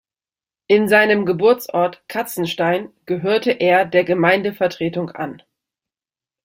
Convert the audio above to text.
In seinem Geburtsort Katzenstein gehörte er der Gemeindevertretung an.